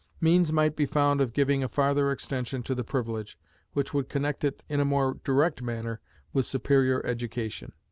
Means might be found of giving a farther extension to the privilege, which would connect it in a more direct manner with superior education.